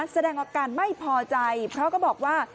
แสดงอาการไม่พอใจเพราะก็บอกว่า